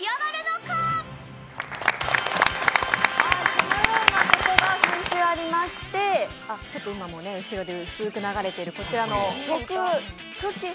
このようなことが先週ありまして、今も後ろで薄く流れているこちらの曲、くっきー！